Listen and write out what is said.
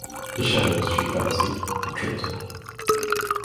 The shadows, she fancied, had tricked her.